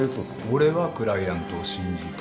俺はクライアントを信じる。